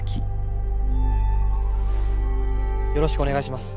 よろしくお願いします。